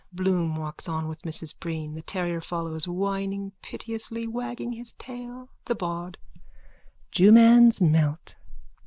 Bloom walks on with Mrs Breen. The terrier follows, whining piteously, wagging his tail.)_ THE BAWD: Jewman's melt!